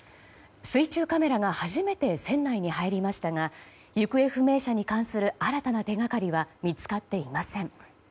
水中カメラが初めて船内に入りましたが行方不明者に関する新たな手掛かりは見つかっていません。